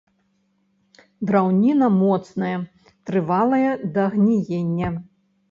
Драўніна моцная, трывалая да гніення.